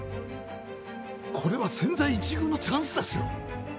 これは千載一遇のチャンスですよ。